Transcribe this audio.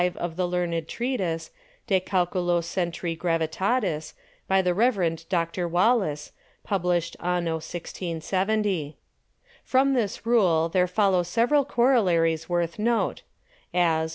V._ of the Learned Treatise, De Calculo Centri Gravitatis, by the Reverend Dr. Wallis, Published Anno 1670. From this Rule there follow several Corollaries worth Note: As I.